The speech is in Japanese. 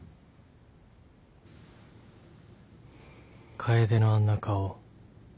楓のあんな顔